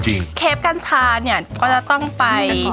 เอ้อเอ้อเป็นยังไง